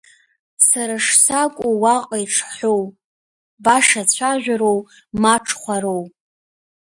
Сара шсакәу уаҟа иҽҳәоу, баша цәажәароу, ма ҽхәароу.